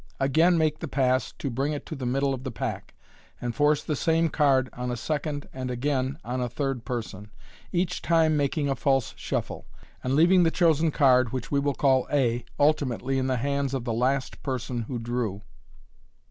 Again make the pass to bring i* to 88 MODERN MAGIC. the middle of the pack, and force the same card on a second and again on a third person, each time making a false shuffle, and leaving the chosen card, which we will call a, ultimately in the hands of the last person who drew.